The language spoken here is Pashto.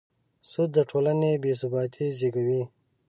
سود د ټولنې بېثباتي زېږوي.